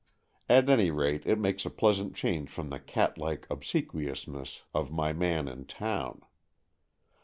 At any rate, it makes a pleasant change from the catlike obsequiousness of my man in town.